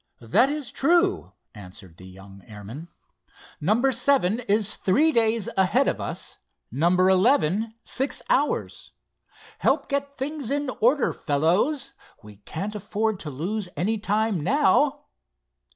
"That is true," answered the young airman. "Number seven is three days ahead of us, number eleven, six hours. Help get things in order, fellows. We can't afford to lose any time now."